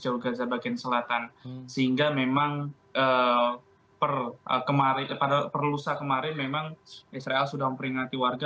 jawa gaza bagian selatan sehingga memang pada perlusa kemarin memang israel sudah memperingati warga